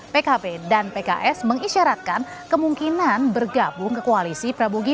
pkb dan pks mengisyaratkan kemungkinan bergabung ke koalisi prabowo gigi